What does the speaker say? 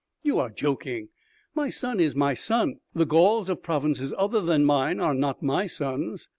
"You are joking. My son is my son.... The Gauls of provinces other than mine are not my sons!"